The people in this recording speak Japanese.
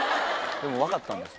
でも分かったんですよ。